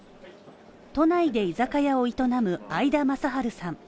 都内で居酒屋を営む会田将治さん。